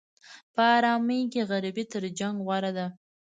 په ارامۍ کې غریبي تر جنګ غوره ده.